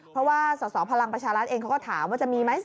เพราะว่าสอสอพลังประชารัฐเองเขาก็ถามว่าจะมีไหม